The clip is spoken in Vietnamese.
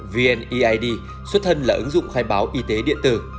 vneid xuất thân là ứng dụng khai báo y tế điện tử